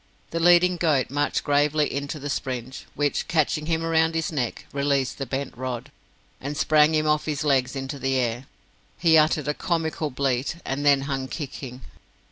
The leading goat marched gravely into the springe, which, catching him round his neck, released the bent rod, and sprang him off his legs into the air. He uttered a comical bleat, and then hung kicking.